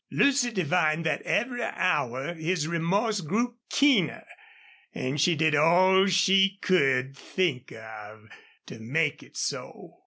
Lucy divined that every hour his remorse grew keener, and she did all she could think of to make it so.